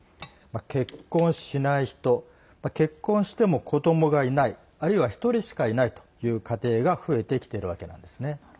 結婚しない人結婚しても、子どもがいないあるいは１人しかいないという家庭が増えてきているわけなんですね。